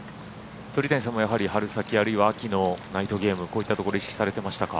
鳥谷さんもやはり春先、あるいは秋のナイトゲームこういったところ意識されてましたか？